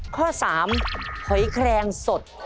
ข้อ๓หอยแครงสด